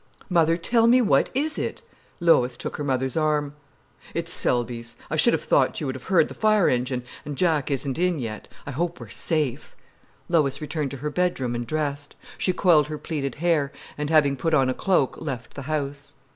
"Mother, tell me what is it?" Lois took her mother's arm. "It's Selby's. I should have thought you would have heard the fire engine, and Jack isn't in yet. I hope we're safe!" Lois returned to her bedroom and dressed. She coiled her plaited hair, and having put on a cloak, left the house.